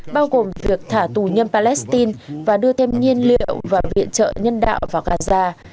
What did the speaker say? bao gồm việc thả tù nhân palestine và đưa thêm nhiên liệu và viện trợ nhân đạo vào gaza